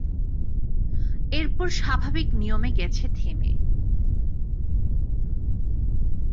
এরপর স্বাভাবিক নিয়মে গেছে থেমে।